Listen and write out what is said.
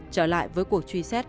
trở lại với cuộc truy xét